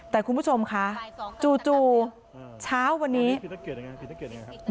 แต่คุณผู้ชมค่ะจู่จู่เช้าวันนี้พี่สะเกียรติยังไงพี่สะเกียรติยังไงครับ